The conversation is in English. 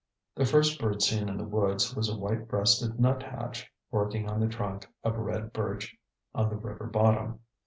The first bird seen in the woods was a white breasted nuthatch, working on the trunk of a red birch on the river bottom.